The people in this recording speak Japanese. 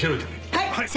はい！